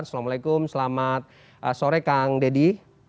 assalamualaikum selamat sore kang deddy